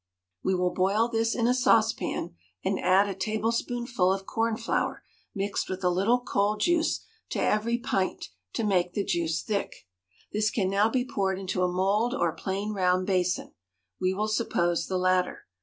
We will boil this in a saucepan and add a tablespoonful of corn flour mixed with a little cold juice to every pint to make the juice thick. This can be now poured into a mould or plain round basin; we will suppose the latter.